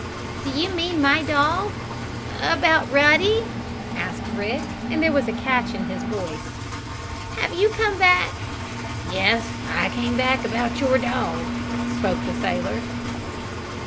"Do you mean about my dog about Ruddy?" asked Rick and there was a catch in his voice. "Have you come back " "Yes, I came back about your dog," spoke the sailor.